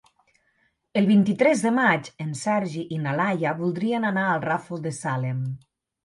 El vint-i-tres de maig en Sergi i na Laia voldrien anar al Ràfol de Salem.